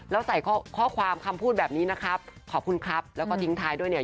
แล้วใส่ข้อความคำพูดแบบนี้นะครับขอบคุณครับแล้วก็ทิ้งท้ายด้วยเนี่ย